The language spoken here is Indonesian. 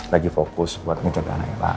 lagi fokus buat mencoba anak anak